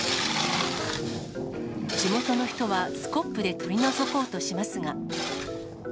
地元の人は、スコップで取り除こうとしますが。